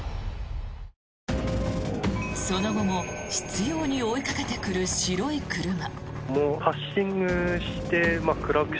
その後も執ように追いかけてくる白い車。